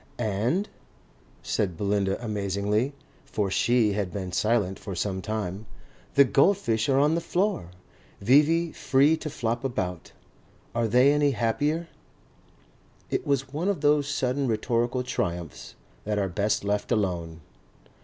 "And?" said Belinda amazingly for she had been silent for some time, "the goldfish are on the floor, V.V. Free to flop about. Are they any happier?" It was one of those sudden rhetorical triumphs that are best left alone.